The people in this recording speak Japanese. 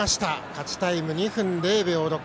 勝ちタイム２分０秒６。